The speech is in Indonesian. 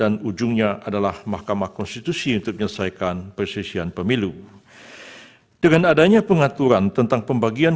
akan menjadi kepentingan untuk pemilihan dan kepentingan dari pemerintah tersebut